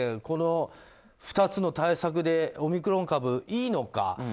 この２つの対策でオミクロン株、いいのか。